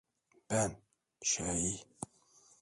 Ben… şey…